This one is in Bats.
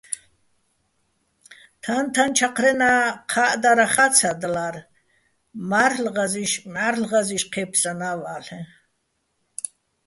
თაჼ-თაჼ ჩაჴრენა́ ჴა́ჸდარახა́ ცადლარე́ მჵარლ' ღაზი́შ ჴე́ფსანა́ ვალ'ეჼ.